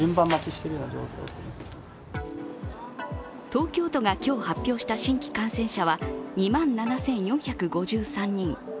東京都が今日発表した新規感染者は２万７４５３人。